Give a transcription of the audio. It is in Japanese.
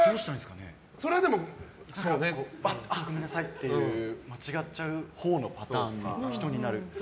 ごめんなさいっていう間違っちゃうほうのパターンの人になるとか。